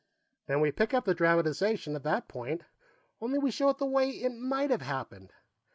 Then we pick up the dramatization at that point, only we show it the way it might have happened.